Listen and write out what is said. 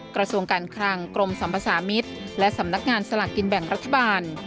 กระทรวงการคลังกรมสัมภาษามิตรและสำนักงานสลากกินแบ่งรัฐบาล